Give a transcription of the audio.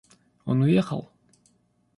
Он уехал?